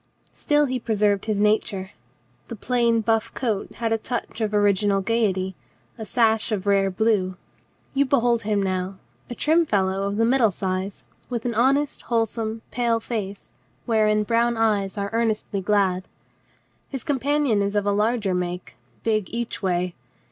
Still he preserved his nature. The plain buff coat had a touch of original gaiety, a sash of rare blue. You behold him now, a trim fellow of the middle size, with an honest, wholesome, pale face, wherein brown eyes are earnestly glad. His com panion is of larger make, big each way.